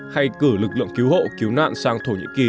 hay cử lực lượng cứu hộ cứu nạn sang thổ nhĩ kỳ